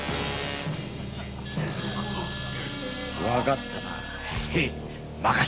わかったな。